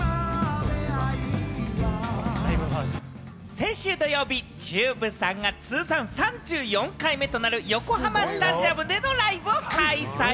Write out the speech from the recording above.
先週土曜日、ＴＵＢＥさんが通算３４回目となる横浜スタジアムでのライブを開催。